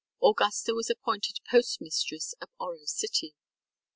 Augusta was appointed postmistress of Oro City.